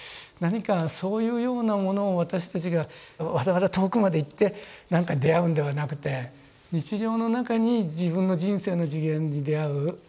何かそういうようなものを私たちがわざわざ遠くまで行って何かに出会うんではなくて日常の中に自分の人生の次元に出会う。